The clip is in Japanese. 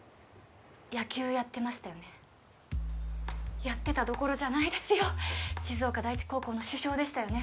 野球やってましたよねやってたどころじゃないですよ静岡第一高校の主将でしたよね